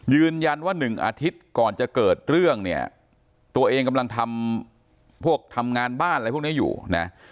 หนึ่งอาทิตย์ก่อนจะเกิดเรื่องเนี่ยตัวเองกำลังทำพวกทำงานบ้านอะไรพวกนี้อยู่นะ